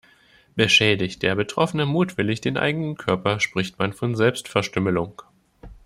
Beschädigt der Betroffene mutwillig den eigenen Körper, spricht man von Selbstverstümmelung.